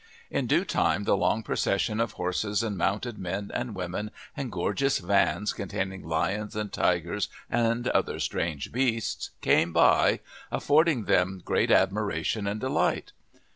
In due time the long procession of horses and mounted men and women, and gorgeous vans containing lions and tigers and other strange beasts, came by, affording them great admiration and delight.